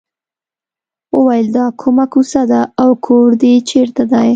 وویل دا کومه کوڅه ده او کور دې چېرته دی.